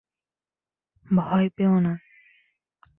ভয় পেও না।